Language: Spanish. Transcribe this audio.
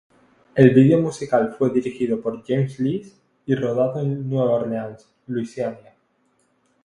El video musical fue dirigido por James Lees y rodado en Nueva Orleans, Louisiana.